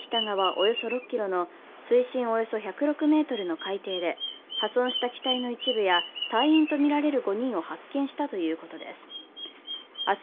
およそ６ｋｍの水深およそ１０６ｍの海底で破損した機体の一部や隊員とみられる５人を発見したということです明日